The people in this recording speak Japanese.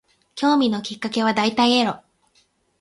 興味のきっかけは大体エロ